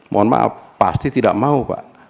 saya tidak mau pak